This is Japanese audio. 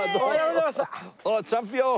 おっチャンピオン！